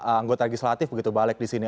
anggota legislatif begitu balik disini